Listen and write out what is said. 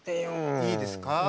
いいですか？